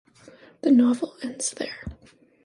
The novel ends there.